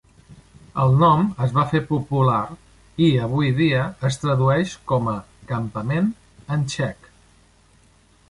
El nom es va fer popular i avui dia es tradueix com a "campament" en txec.